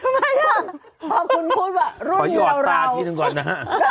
ทำไมล่ะขอคุณพูดว่ารุ่นเหล่าเราครับขอหยอดตาที่หนึ่งก่อนนะ